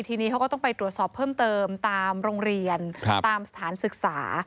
ทีนี้เขาก็ต้องไปตรวจสอบเพิ่มเติมตามโรงเรียนตามสถานศึกษา